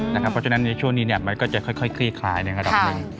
เพราะฉะนั้นในช่วงนี้มันก็จะค่อยคลี่คลายในระดับหนึ่ง